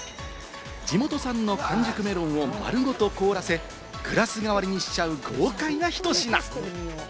地元産の完熟メロンを丸ごと凍らせ、グラス代わりにしちゃう豪快なひと品。